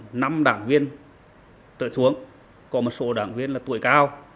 đảng này là có năm đảng viên trở xuống có một số đảng viên là tuổi cao